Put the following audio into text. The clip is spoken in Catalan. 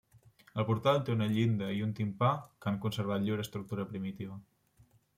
El portal té una llinda i un timpà que han conservat llur estructura primitiva.